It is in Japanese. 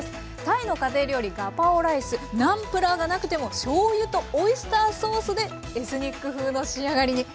タイの家庭料理ガパオライスナンプラーがなくてもしょうゆとオイスターソースでエスニック風の仕上がりに。